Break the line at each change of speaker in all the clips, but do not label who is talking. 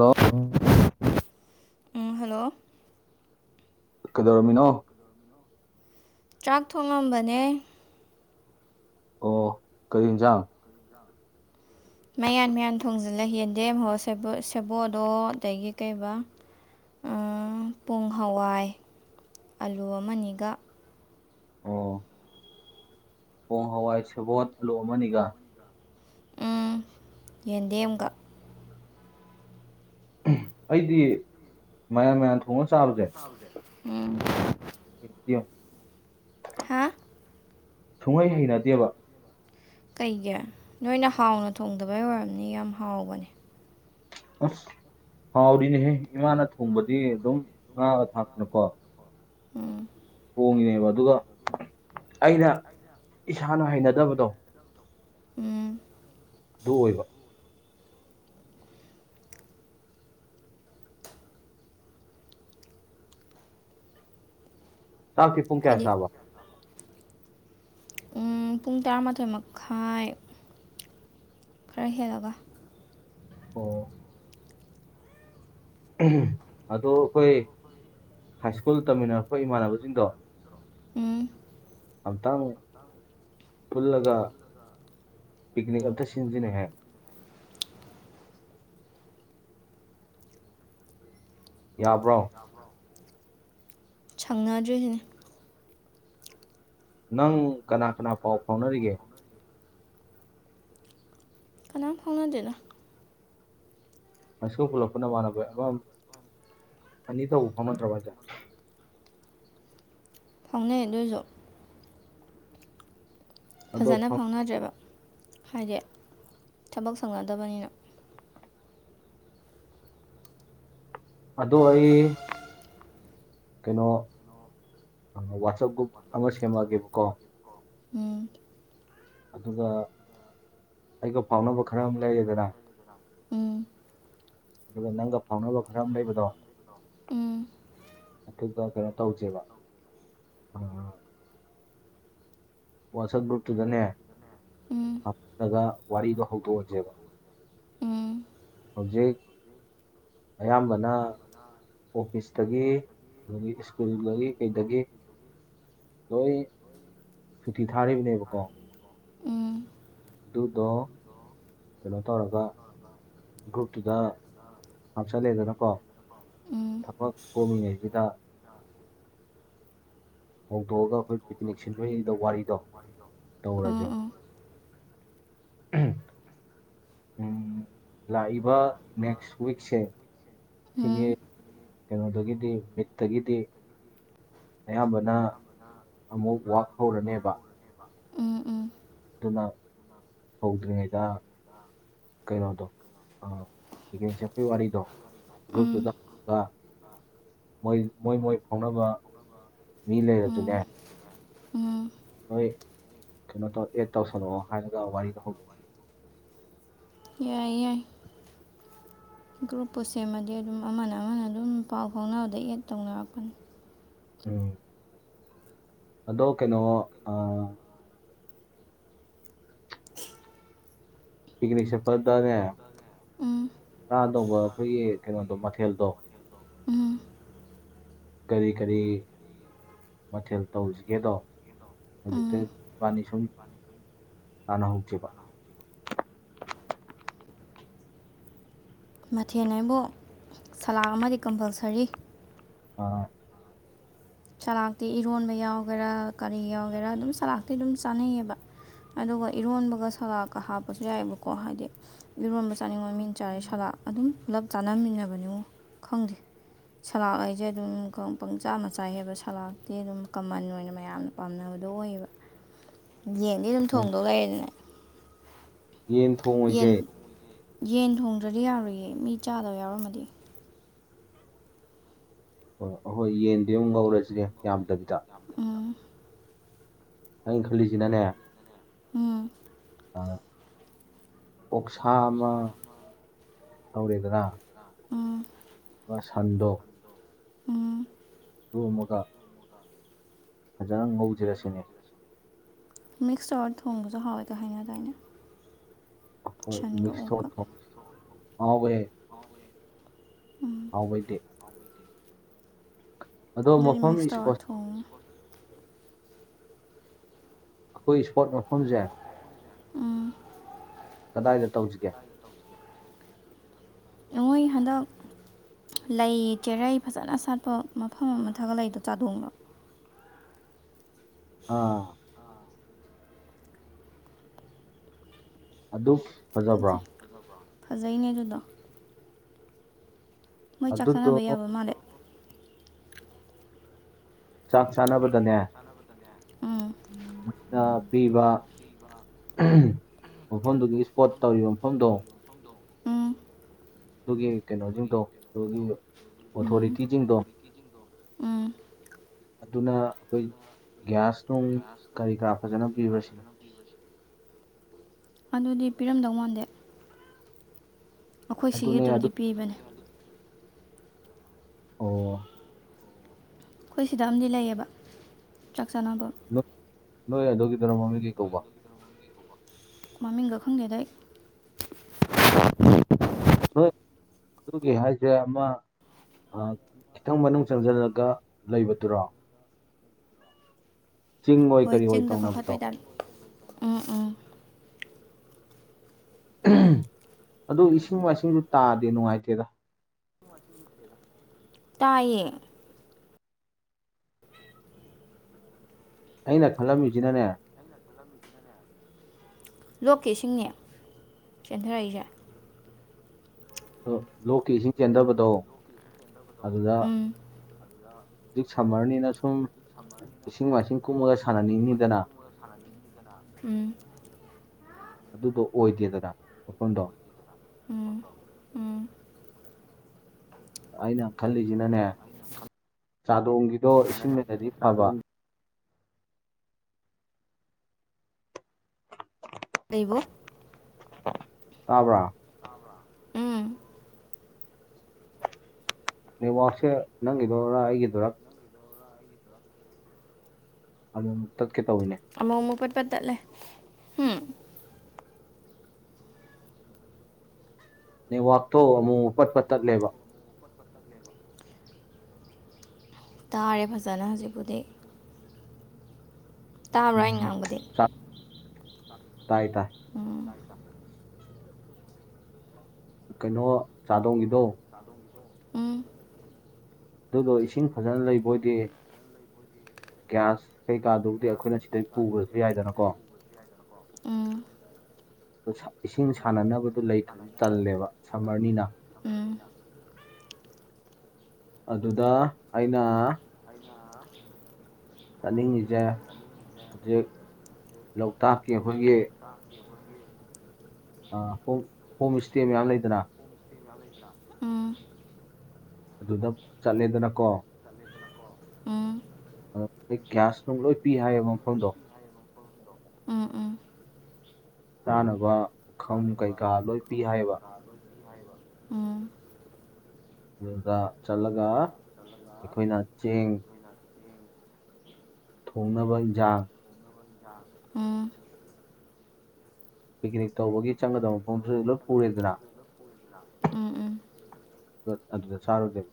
hello
ꯎꯝ hello
ꯀꯩꯗꯧꯔꯝꯃꯤꯅꯣ
ꯆꯥꯛ ꯊꯣꯡꯉꯝꯕꯅꯦ
ꯑꯣ ꯀꯩ ꯌꯦꯟꯁꯥꯡ
ꯃꯌꯥꯟ ꯃꯌꯥꯟ ꯊꯣꯡꯖꯤꯜꯂꯦ ꯌꯦꯟꯗꯦꯝ ꯑꯣ ꯁꯦꯕꯣꯠ ꯑꯣ ꯑꯗꯒꯤ ꯀꯩꯕ ꯄꯣꯡ ꯍꯋꯥꯏ ꯑꯂꯨ ꯑꯃꯅꯤꯒ
ꯑꯣ ꯄꯣꯡ ꯍꯋꯥꯏ ꯁꯦꯕꯣꯠ ꯑꯂꯨ ꯑꯃꯅꯤꯒ
ꯎꯝ ꯌꯦꯟꯗꯦꯝꯒ
ꯑꯩꯗꯤ ꯃꯌꯥꯟ ꯃꯌꯥꯟ ꯊꯣꯡꯉꯒ ꯆꯥꯕꯁꯦ
ꯆꯥꯕꯁꯦ ꯎꯝ
ꯍꯩꯅꯗꯦꯉꯣ
ꯍꯥꯥ
ꯁꯨꯡꯍꯩ ꯍꯩꯅꯗꯦꯕ
ꯀꯩꯒꯤ ꯅꯣꯏꯅ ꯍꯥꯎꯅ ꯊꯣꯡꯗꯕꯩ ꯑꯣꯏꯔꯝꯅꯤ ꯌꯥꯝ ꯍꯥꯎꯕꯅꯦ
ꯑꯁ ꯍꯥꯎꯔꯤꯅꯦꯍꯦ ꯏꯃꯥꯅ ꯊꯣꯡꯕꯗꯤ ꯑꯗꯨꯝ ꯉꯥꯒ ꯊꯥꯛꯇꯅꯀꯣ
ꯎꯝ
ꯊꯣꯡꯉꯤꯅꯦꯕ ꯑꯗꯨꯒ ꯑꯩꯅ ꯏꯁꯥꯅ ꯍꯩꯅꯗꯕꯗꯣ
ꯎꯝ
ꯑꯗꯨ ꯑꯣꯏꯕ ꯆꯥꯛꯇꯤ ꯄꯨꯡ ꯀꯌꯥ
ꯑꯩꯈꯣꯏꯗꯤ
ꯆꯥꯕ
ꯎꯝ ꯄꯨꯡ ꯇꯔꯥꯃꯥꯊꯣꯏ ꯃꯈꯥꯏ ꯈꯔ ꯍꯦꯜꯂꯒ
ꯑꯣ ꯎꯝ ꯑꯗꯣ ꯑꯩꯈꯣꯏ ꯍꯥꯏ ꯁ꯭ꯀꯨꯜ ꯇꯝꯃꯤꯟꯅꯔꯛꯄ ꯏꯃꯥꯟꯅꯕꯁꯤꯡꯗꯣ
ꯎꯝ
ꯑꯝꯇꯪ ꯄꯨꯜꯂꯒ ꯄꯤꯛꯅꯤꯛ ꯑꯝꯇ ꯁꯤꯟꯖꯤꯅꯦꯍꯦ ꯌꯥꯕ꯭ꯔꯣ
ꯁꯪꯅꯗ꯭ꯔꯤꯁꯤꯅꯤ
ꯅꯪ ꯀꯅꯥ ꯀꯅꯥ ꯄꯥꯎ ꯐꯥꯎꯅꯔꯤꯒꯦ
ꯀꯅꯥꯝ ꯐꯥꯎꯅꯗꯦꯗ
ꯍꯥꯏ ꯏꯁꯀꯨꯜ ꯄꯨꯜꯂꯛꯄ ꯅꯃꯥꯟꯅꯕ ꯑꯃ ꯑꯅꯤ ꯇꯧꯕ ꯐꯥꯎꯅꯗ꯭ꯔꯕ ꯍꯥꯏꯖꯦ
ꯐꯥꯎꯅꯩ ꯑꯗꯨ ꯑꯣꯏꯔꯁꯨ
ꯑꯗꯣ
ꯐꯖꯅ
ꯐꯪ-
ꯐꯥꯎꯅꯗ꯭ꯔꯦꯕ ꯍꯥꯏꯗꯤ ꯊꯕꯛ ꯁꯪꯅꯗꯕꯅꯤꯅ
ꯑꯗꯣ ꯑꯩ ꯀꯩꯅꯣ ꯋꯥꯆꯞ ꯒ꯭ꯔꯨꯞ ꯑꯃ ꯁꯦꯝꯃꯛꯑꯒꯦꯕꯀꯣ
ꯎꯝ
ꯑꯗꯨꯒ ꯑꯩꯒ ꯐꯥꯎꯅꯕ ꯈꯔ ꯑꯃ ꯂꯩꯔꯦꯗꯅ ꯑꯗꯨꯒ ꯅꯪꯒ ꯐꯥꯎꯅꯕ ꯈꯔ ꯑꯃ ꯂꯩꯕꯗꯣ ꯑꯗꯨꯒ ꯀꯩꯅꯣ ꯇꯧꯁꯦꯕ ꯎꯝ ꯋꯥꯆꯞ ꯒ꯭ꯔꯨꯞꯇꯨꯗꯅꯦ ꯍꯥꯞꯂꯒ ꯋꯥꯔꯤꯗꯣ ꯍꯧꯗꯣꯛꯑꯁꯦꯕ ꯍꯧꯖꯤꯛ ꯑꯌꯥꯝꯕꯅ ꯑꯣꯐꯤꯁ ꯇꯒꯤ ꯑꯗꯒꯤ ꯁ꯭ꯀꯨꯜꯗꯒꯤ ꯀꯩꯗꯒꯤ ꯂꯣꯏ ꯁꯨꯇꯤ ꯊꯥꯔꯤꯕꯅꯦꯕꯀꯣ ꯑꯗꯨꯗꯣ ꯀꯩꯅꯣ ꯇꯧꯔꯒ ꯒ꯭ꯔꯨꯞꯇꯨꯗ ꯍꯥꯞꯆꯜꯂꯦꯗꯅꯀꯣ ꯊꯕꯛ ꯀꯣꯝꯃꯤ ꯉꯩꯁꯤꯗ ꯍꯧꯗꯣꯛꯑꯒ ꯑꯩꯈꯣꯏ ꯄꯤꯛꯅꯤꯛ ꯁꯤꯟꯖꯗ ꯋꯥꯔꯤꯗꯣ ꯇꯧꯔꯁꯦꯕ ꯎꯝ ꯂꯥꯛꯏꯕ ꯅꯦꯛꯁ ꯎꯤꯛꯁꯦ ꯁꯤꯒꯤ ꯀꯩꯅꯣꯗꯒꯤꯗꯤ ꯃꯤꯠꯇꯒꯤꯗꯤ ꯑꯌꯥꯝꯕꯅ ꯑꯃꯨꯛ ꯋꯥꯛ ꯍꯧꯔꯅꯦꯕ
ꯎꯝ ꯎꯝ
ꯑꯗꯨꯅ ꯍꯧꯗ꯭ꯔꯤꯉꯩꯗ ꯀꯩꯅꯣꯗꯣ ꯏ ꯁꯦ ꯐꯦꯋꯥꯔꯤꯗꯣ ꯒ꯭ꯔꯨꯞꯇꯨꯗ ꯃꯣꯏ ꯃꯣꯏ ꯃꯣꯏ ꯐꯥꯎꯅꯕ ꯃꯤ ꯂꯩꯔ ꯑꯗꯨꯅꯦ ꯅꯣꯏ ꯀꯩꯅꯣ ꯇꯧ ꯑꯦꯠ ꯇꯧꯁꯜꯂꯛꯑꯣ ꯍꯥꯏꯔꯒ ꯋꯥꯔꯤꯗ ꯍꯧꯗꯣꯛ
ꯌꯥꯏ ꯌꯥꯏ ꯒ꯭ꯔꯨꯞꯄꯨ ꯁꯦꯝꯃꯗꯤ ꯑꯗꯨꯝ ꯑꯃꯅ ꯑꯃꯅ ꯑꯗꯨꯝ ꯄꯥꯎ ꯐꯥꯎꯅꯕꯗ ꯑꯦꯠ ꯇꯧꯅꯔꯛꯄꯅꯤ
[inaudible] ꯑꯗꯣ ꯀꯩꯅꯣ ꯑ ꯄꯤꯛꯅꯤꯛ ꯁꯄꯗꯅꯦ
ꯎꯝ
ꯆꯥꯗꯧꯕ ꯑꯩꯈꯣꯏꯒꯤ ꯀꯩꯅꯣꯗꯣ ꯃꯊꯦꯜꯗꯣ
ꯎꯝ
ꯀꯔꯤ ꯀꯔꯤ ꯃꯊꯦꯜ ꯇꯧꯁꯤꯒꯦꯗꯣ
ꯎꯝ
ꯍꯧꯖꯤꯛꯇꯕꯥꯅꯤ ꯁꯨꯝ ꯇꯥꯟꯅ ꯍꯧꯁꯦꯕ
ꯃꯊꯦꯜ ꯍꯥꯏꯕꯨ ꯁꯂꯥ ꯑꯃꯗꯤ ꯀꯝꯄꯜꯁꯔꯤ
ꯑ
ꯁꯂꯥꯇꯤ ꯏꯔꯣꯟꯕ ꯌꯥꯎꯒꯦꯔꯥ ꯀꯔꯤ ꯌꯥꯎꯒꯦꯔ ꯑꯗꯨꯝ ꯁꯂꯥꯇꯤ ꯑꯗꯨꯝ ꯆꯥꯅꯩꯌꯦꯕ ꯑꯗꯨꯒ ꯏꯔꯣꯟꯕꯒ ꯁꯂꯥꯀ ꯍꯥꯞꯄꯁꯨ ꯌꯥꯏꯑꯕꯀꯣ ꯍꯥꯏꯗꯤ ꯏꯔꯣꯟꯕ ꯆꯥꯅꯤꯡꯉꯕ ꯃꯤꯟ ꯆꯥꯔꯤ ꯁꯥꯂ ꯑꯗꯨꯝ ꯄꯨꯂꯞ ꯆꯥꯅꯃꯤꯟꯅꯕꯅꯤꯕꯨ ꯈꯪꯗꯦ ꯁꯂꯥ ꯍꯥꯌꯁꯦ ꯑꯗꯨꯝ ꯄꯪꯆꯥꯥꯝꯃ ꯆꯥꯏ ꯆꯥꯏꯍꯦꯕ ꯁꯂꯇꯤ ꯑꯗꯨꯝ ꯀꯃꯟ ꯑꯣꯏꯅ ꯃꯌꯥꯝꯅ ꯄꯥꯝꯅꯕꯗꯣ ꯑꯣꯏꯌꯦꯕ ꯌꯦꯡꯗꯤ ꯑꯗꯨꯝ
ꯎꯝ
ꯊꯣꯡꯗꯧ ꯂꯩꯔꯦꯗꯅꯦ
ꯌꯦꯟ ꯊꯣꯡꯉꯣꯏꯁꯦ
ꯌꯦꯟ ꯌꯦꯟ ꯊꯣꯡꯗ꯭ꯔꯗꯤ ꯌꯥꯔꯨꯌꯦ ꯃꯤ ꯆꯥꯗꯕ ꯌꯥꯎꯔꯝꯃꯗꯤ
ꯍꯣꯏ ꯑꯩꯈꯣꯏ ꯌꯦꯟꯗꯤ ꯑꯃꯨꯛ ꯉꯧꯔꯁꯤꯒꯦ ꯌꯥꯝꯗꯕꯤꯗ
ꯎꯝ
ꯅꯪ ꯈꯔꯂꯤꯖꯤꯅꯅꯦ
ꯎꯝ
ꯑꯣꯛꯁꯥ ꯑꯃ ꯇꯧꯔꯦꯗꯔ
ꯎꯝ
ꯁꯥꯟꯗꯣꯛ
ꯎꯝ
ꯗꯨꯃꯒ ꯐꯖꯅ ꯉꯧꯁꯤꯔꯥ ꯁꯤꯅꯤ
ꯃꯤꯛꯁ ꯇꯧꯔ ꯊꯣꯡꯕꯁꯨ ꯍꯥꯎꯋꯦꯀ ꯍꯥꯏꯅ ꯑꯗꯨꯃꯥꯏꯅ
ꯃꯤꯛꯁ ꯍꯧꯎꯌꯦ
ꯎꯝ
ꯍꯥꯎꯕꯗꯤ
[unintelligible]
ꯑꯗꯣ
ꯑꯗꯨꯗꯤ
ꯃꯐꯝ
ꯃꯤꯛꯁ
ꯏꯁꯄꯣꯠ
ꯇꯧꯔꯥ ꯍꯣꯡꯉꯣ
ꯑꯩꯈꯣꯏ ꯏꯁꯄꯣꯔꯠ ꯃꯐꯝꯁꯦ
ꯎꯝ
ꯀꯗꯥꯏꯗ ꯇꯧꯁꯤꯒꯦ
ꯅꯣꯏ ꯍꯟꯗꯛ ꯂꯩ ꯆꯦꯔꯩ ꯐꯖꯅ ꯁꯥꯠꯄ ꯃꯐꯝ ꯑꯃ ꯊꯛꯒ ꯂꯩꯗꯣ ꯆꯥꯗꯣꯡꯕ
ꯑꯥ ꯑꯗꯨ ꯐꯖꯕ꯭ꯔꯥ
ꯐꯖꯩ ꯐꯖꯩꯅꯦ ꯑꯗꯨꯗꯣ ꯃꯣꯏ ꯆꯥꯛ
ꯑꯗꯨꯗꯣ
ꯆꯥꯟꯅꯕ ꯌꯥꯕ ꯃꯥꯜꯂꯦ
ꯆꯥꯛ ꯆꯥꯅꯕꯗꯅꯦ
ꯎꯝ
ꯄꯤꯕ ꯃꯐꯝꯗꯨꯒꯤ ꯏꯁꯄꯣꯠ ꯇꯧꯔꯤꯕ ꯃꯐꯝꯗꯣ
ꯎꯝ
ꯑꯗꯨꯒꯤ ꯀꯩꯅꯣꯁꯤꯡꯗꯣ ꯑꯗꯨꯒꯤ
ꯎꯝ
ꯑꯣꯊꯣꯔꯤꯇꯤꯁꯤꯡꯗꯣ
ꯎꯝ
ꯑꯗꯨꯅ ꯑꯩꯈꯣꯏ ꯒ꯭ꯌꯥꯁ ꯅꯨꯡ ꯀꯔꯤ ꯀꯔꯥ ꯐꯖꯅ ꯄꯤꯔ ꯁꯤꯅꯦ
ꯑꯗꯨꯗꯤ ꯄꯤꯔꯝꯗꯧ ꯃꯥꯟꯗꯦ ꯃꯈꯣꯏ ꯁꯤꯒꯤ
ꯑꯗꯨꯅꯦ ꯑꯗꯨ
ꯑꯗꯨꯕꯨꯗꯤ ꯄꯤꯕꯅꯤ
ꯑꯣ
ꯑꯩꯈꯣꯏ ꯁꯤꯗ ꯑꯃꯗꯤ ꯂꯩꯌꯦꯕ ꯆꯥꯛ ꯆꯥꯅꯕ
ꯅꯣꯏ ꯅꯣꯏ ꯑꯗꯨꯒꯤꯗꯨꯅ ꯃꯃꯤ ꯀꯩ ꯀꯧꯕ
ꯃꯃꯤꯡꯒꯈꯪꯗꯦꯗ ꯑꯩ
ꯅꯣꯏ ꯑꯗꯨꯒꯤ ꯍꯥꯏꯁꯦ ꯑꯃ ꯈꯤꯇꯪ ꯃꯅꯨꯡ ꯆꯪꯁꯤꯜꯂꯒ ꯂꯩꯕꯗꯨꯔꯣ ꯆꯤꯡ ꯑꯣꯏ
ꯍꯣꯏ
ꯀꯔꯤ ꯑꯣꯏ
ꯆꯤꯡꯗ
ꯇꯧꯅꯕꯗꯣ
ꯀꯥꯈꯠꯇꯣꯏꯇꯥꯔ ꯎꯝ ꯎꯝ
ꯑꯗꯨ ꯏꯁꯤꯡ ꯃꯥꯏꯁꯤꯡꯁꯨ ꯇꯥꯗꯦ ꯅꯨꯡꯉꯥꯏꯇꯦꯗ
ꯇꯥꯏꯌꯦ
ꯑꯩꯅ ꯈꯜꯂꯝꯃꯤꯁꯤꯅꯅꯦ
ꯂꯣꯛꯀꯦꯁꯤꯡꯅꯦ ꯆꯦꯟꯊꯔꯛꯏꯁꯦ
ꯂꯣꯛꯀꯤ ꯏꯁꯤꯡ ꯆꯦꯟꯗꯕꯗꯣ ꯑꯗꯨꯗ
[unintelligible]
ꯍꯧꯖꯤꯛ ꯁꯝꯃꯔꯅꯤꯅ ꯁꯨꯝ ꯏꯁꯤꯡ ꯃꯥꯏꯁꯤꯡ ꯀꯨꯝꯃꯒ ꯁꯥꯟꯅꯅꯤꯡꯉꯅꯤꯤꯗꯅ
ꯁ ꯎ
ꯑꯗꯨꯗꯣ ꯑꯣꯏꯗꯦꯗꯗꯥ ꯋꯥꯈꯐꯝꯗꯣ
ꯎꯝ ꯎꯝ
ꯑꯩꯅ ꯈꯜꯂꯤꯁꯤꯅꯅꯦ ꯆꯥꯗꯣꯡꯒꯤꯗꯣ ꯏꯁꯤꯡꯅꯗꯗꯤ ꯐꯕ
ꯑꯕꯨꯣ
ꯇꯥꯄ
ꯇꯕ
ꯅꯦꯠꯋꯥꯛꯁꯦ ꯅꯪꯒꯤꯗꯨꯔꯥ ꯑꯩꯒꯤꯗꯨꯔꯥ ꯑꯗꯨ ꯇꯠꯀꯦ ꯇꯧꯅꯦ
ꯑꯃꯃꯛꯃꯨꯀꯠ ꯄ ꯇꯦ ꯎꯝ
ꯅꯋꯥꯛꯊꯣ ꯑꯃꯨꯛꯄꯠꯄ ꯇꯠꯂꯦꯕ
ꯇꯥꯔꯦ ꯐꯖꯅ ꯍꯧꯖꯤꯛꯄꯨꯗꯤ ꯇꯥꯕ꯭ꯔꯥ ꯑꯩ
ꯎꯝ
ꯉꯥꯡꯕꯗꯤ
ꯇꯥꯥꯏꯇ
ꯎꯝ
ꯀꯩꯅꯣ ꯆꯥꯗꯣꯡꯒꯤꯗꯣ
ꯎꯝ
ꯑꯗꯨꯗꯣ ꯏꯁꯤꯡ ꯐꯖꯅ ꯂꯩꯕꯣꯏꯗꯤ ꯒ꯭ꯌꯥꯁ ꯀꯩꯀꯥꯗꯨꯧꯗꯤ ꯑꯩꯈꯣꯏꯅ ꯁꯤꯗꯩ ꯄꯨꯕꯁꯨ ꯌꯥꯏꯗꯅꯀꯣ
ꯎꯝ
ꯑꯗ ꯏꯁꯤꯡ ꯁꯥꯟꯅꯅꯕꯗꯨꯣ ꯂꯩꯇ꯭ꯔꯗꯤ ꯇꯜꯂꯦꯕ ꯁꯝꯃꯔꯅꯤꯅ
ꯎꯝ
ꯑꯗꯨꯗ ꯑꯩꯅ
ꯑꯅ
ꯆꯠꯅꯤꯡꯉꯤꯁꯦ ꯍꯧꯖꯤꯛ ꯂꯣꯛꯇꯥꯛꯀꯤ ꯑꯩꯈꯣꯏꯒꯤ
ꯇ ꯑꯣꯏ
ꯑ ꯍꯣꯝ ꯍꯣꯝ ꯏꯁꯇꯦ ꯃꯌꯥꯝ ꯂꯩꯗꯅ
ꯎꯝ
ꯑꯗꯨꯗ ꯆꯠꯂꯦꯗꯅꯀꯣ
ꯎꯝ ꯎꯝ ꯎꯝ
ꯑꯣ ꯑꯩꯣꯏ ꯒ꯭ꯌꯥꯁꯇꯅꯨꯡ ꯂꯣꯏ ꯄꯤ ꯍꯥꯏꯌꯦꯕ ꯃꯐꯝꯗꯣ
ꯎꯝ
ꯆꯥꯅꯕ ꯄꯨꯈꯝ ꯀꯩꯀꯥ ꯂꯣꯏ ꯄꯤ ꯍꯥꯏꯌꯦꯕ
ꯑꯗꯨ ꯍꯥꯏꯕ
ꯑꯗꯨꯗ ꯆꯠꯂꯒ ꯑꯩꯈꯣꯏꯅ ꯆꯦꯡ ꯊꯣꯡꯅꯕ ꯖ
ꯎꯝ
ꯄꯤꯛꯅꯤꯛ ꯇꯧꯕꯒꯤ ꯆꯪꯒꯗꯕ ꯃꯐꯝꯗꯨꯁꯨ ꯂꯣꯏ ꯄꯨꯔꯦꯗꯅ
ꯎꯝ ꯎꯝ
ꯑꯗꯨꯗ ꯆꯥꯔꯨꯗꯦꯕ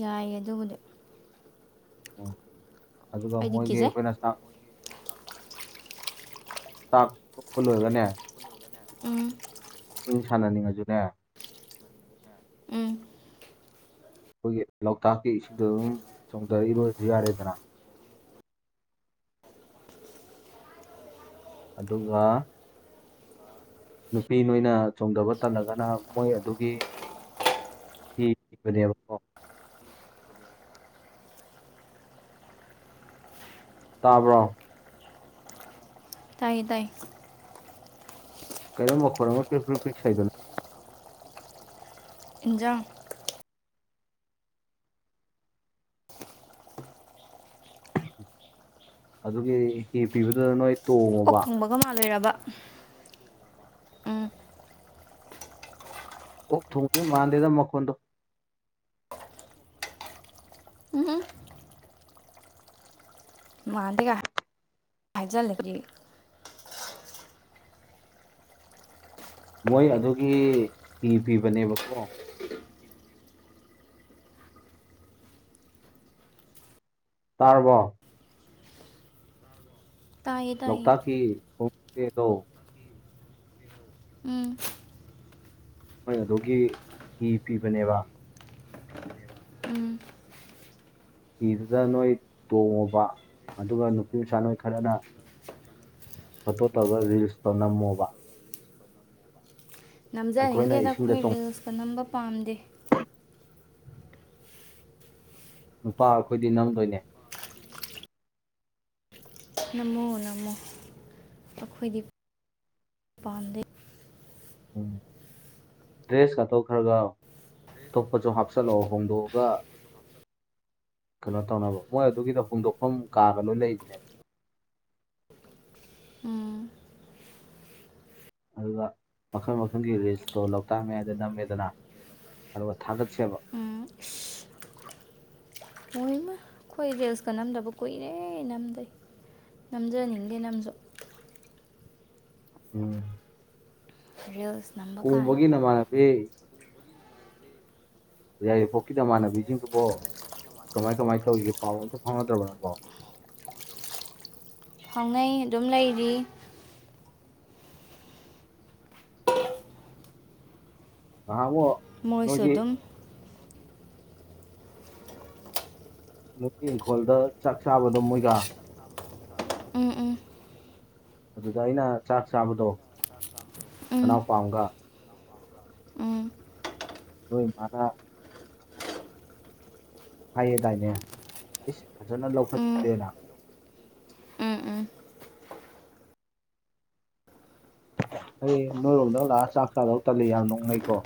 ꯌꯥꯏꯌꯦ ꯑꯗꯨꯕꯨꯗꯤ
ꯎꯝ ꯑꯗꯨꯒ
ꯑꯩꯗꯤ
ꯃꯣꯏꯒꯤ
ꯀꯤꯖꯩ
ꯑꯩꯈꯣꯏꯅ ꯆ ꯆꯥꯛ ꯀꯛꯄ ꯂꯣꯏꯒꯅꯦ
ꯎꯝ
ꯏꯁꯤꯡ ꯁꯥꯟꯅꯅꯤꯡꯉꯁꯨꯅꯦ
ꯎꯝ
ꯑꯩꯈꯣꯏꯒꯤ ꯂꯣꯛꯇꯥꯛꯀꯤ ꯏꯁꯤꯡꯗ ꯑꯗꯨꯝ ꯆꯣꯡꯊꯔꯏꯔꯣꯏꯁꯨ ꯌꯥꯔꯦꯗꯅ ꯑꯗꯨꯒ ꯅꯨꯄꯤ ꯅꯣꯏꯅ ꯆꯣꯡꯊꯕ ꯇꯜꯂꯒꯅ ꯃꯣꯏ ꯑꯗꯨꯒꯤ ꯍꯤ ꯄꯤꯕꯅꯦꯕꯀꫭ ꯇꯥꯕ꯭ꯔꯣ
ꯇꯥꯏꯌꯦ ꯇꯥꯏꯌꯦ
ꯀꯩꯅꯣ ꯃꯈꫭꯜ ꯑꯃ ꯄꯔꯤꯛ ꯄꯔꯤꯛ ꯁꯧꯏꯗꯨꯅ
ꯏꯟꯖꯥꯡ
ꯑꯗꯨꯒꯤ ꯍꯤ ꯄꯤꯕꯗ ꯅꯣꯏ
ꯑꯣꯛ
ꯇꯣꯡꯉꯣꯕ
ꯊꯨꯡꯕꯒ ꯃꯥꯜꯂꯤꯔꯕ
ꯑꯣꯛ ꯊꯣꯡꯕꯗꯤ ꯃꯥꯟꯗꯦꯗ ꯃꯈꯣꯟꯗꯣ
ꯎꯝ ꯍꯨꯝ ꯃꯥꯗꯦꯀꯥꯏ ꯍꯥꯏꯖꯜꯂꯗꯤ
ꯃꯣꯏ ꯑꯗꯨꯒꯤ ꯍꯤ ꯐꯤꯕꯅꯦꯕꯀꯣ ꯇꯥꯔꯕꯣ
ꯇꯥꯏꯌꯦ ꯇꯥꯏꯌꯦ
ꯂꯣꯛꯇꯥꯛꯀꯤ ꯈꯣꯡꯆꯦꯗꯣ
ꯎꯝ
ꯃꯣꯏ ꯑꯗꯨꯒꯤ ꯍꯤ ꯄꯤꯕꯅꯦꯕ
ꯎꯝ
ꯏꯤꯗꯨꯗ ꯅꯣꯏ ꯇꯣꯡꯉꯨꯕ ꯑꯗꯨꯒ ꯅꯨꯄꯤ ꯃꯆꯥ ꯅꯣꯏ ꯈꯔꯅ ꯐꯣꯇꯣ ꯇꯧꯔꯒ ꯔꯤꯜꯁꯇꯣ ꯅꯝꯃꯣꯕ ꯑꯩꯈꯣꯏꯅ
ꯅꯝꯖꯅꯤꯡꯗꯦꯗ
ꯏꯁꯤꯡꯗ
ꯑꯩꯈꯣꯏ
ꯆꯣꯡ
ꯔꯤꯜꯁꯀ ꯅꯝꯕ ꯄꯥꯝꯗꯦ
ꯅꯨꯄꯥ ꯑꯩꯈꯣꯏꯗꯤ ꯅꯝꯗꯣꯏꯅꯦ
ꯅꯝꯃꯣ ꯅꯝꯃꯣ ꯑꯩꯈꯣꯏꯗꯤ ꯄꯥꯝꯗꯦ
ꯎꯝ ꯗ꯭ꯔꯦꯁꯀꯗꫭ ꯈ꯭ꯔꯒ ꯑꯇꯣꯞꯄꯁꯨ ꯍꯥꯞꯆꯤꯜꯂꯛꯑꯣ ꯍꯣꯡꯗꯣꯛꯑꯒ ꯀꯩꯅꯣ ꯇꯧꯅꯕ ꯃꯣꯏ ꯑꯗꯨꯒꯤꯗꯣ ꯍꯣꯡꯗꯣꯛꯐꯝ ꯀꯥꯒ ꯂꯣꯏ ꯂꯩꯕꯅꯦꯕ
ꯎꯝ
ꯑꯗꯨꯒ ꯃꯈꯜ ꯃꯈꯜꯒꯤ ꯔꯤꯁꯇꯣ ꯂꯣꯛꯇꯥꯛ ꯃꯌꯥꯏꯗ ꯅꯝꯃꯦꯗꯅ ꯑꯗꯨꯒ ꯊꯥꯒꯠꯁꯦꯕ
ꯎꯝ ꯑꯣꯏꯃ ꯑꯩꯈꯣꯏ ꯔꯤꯜꯁꯀ ꯅꯝꯗꯕ ꯀꯨꯏꯔꯦ ꯅꯝꯗꯦ ꯅꯝꯖꯅꯤꯡꯗꯦ ꯅꯝꯁꯨ
ꯎꯝ
ꯔꯤꯜꯁ ꯅꯝꯕ ꯀꯥꯏꯅ
ꯀꯣꯡꯕꯒꯤ ꯅꯝꯃꯥꯗꯤ ꯌꯥꯏꯔꯤꯄꯣꯛꯀꯤꯗꯃꯥꯟꯅꯕꯤꯁꯤꯡꯗꯨꯕꯨ ꯀꯃꯥꯏ ꯀꯃꯥꯏꯅ ꯇꯧꯔꯤꯒꯦ ꯄꯥꯎ ꯑꯝꯇ ꯐꯪꯅꯗ꯭ꯔꯕꯅꯕꯣ
ꯐꯥꯎꯅꯩ ꯑꯗꯨꯝ ꯂꯩꯔꯤ
ꯅꯍꯥꯃꯨꯛ
ꯃꯣꯏꯁꯨ ꯑꯗꯨꯝ
ꯒꯤ ꯏꯪꯈꯣꯜꯗ ꯆꯥꯛ ꯆꯥꯕꯗꯣ ꯃꯣꯏꯒ
ꯎꯝ ꯎꯝ
ꯑꯗꯨꯗ ꯑꯩꯅ ꯆꯥꯛ ꯆꯥꯕꯗꯣ
ꯎꯝ
ꯃꯅꯥꯎꯄꯥ ꯑꯃꯒ
ꯎꯝ
ꯅꯣꯏ ꯏꯃꯥꯅꯥ ꯍꯥꯏꯌꯦꯗꯥꯏꯅꯦ ꯏꯁ ꯐꯖꯅ
ꯎꯝ
ꯂꯧꯈꯠꯈꯔꯦꯅ
ꯎꯝ ꯎꯝ
ꯑꯩ ꯅꯣꯏꯔꯣꯝꯗꯒ ꯂꯥꯛꯑꯒ ꯆꯥꯛ ꯆꯥꯗꯧ ꯇꯜꯂꯤ ꯌꯥꯝ ꯅꯣꯛꯅꯩꯀꯣ